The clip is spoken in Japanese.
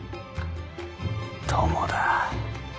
友だ。